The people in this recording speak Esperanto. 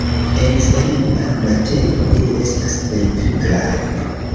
En serena mateno ili estas plej viglaj.